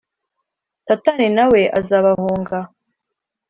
satani na we azabahunga